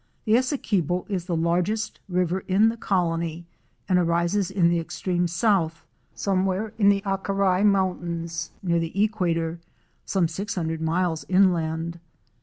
The Essequibo is the largest river in the colony and rises in the extreme south, somewhere in the Acarai Mountains near the equator, some six hundred miles inland.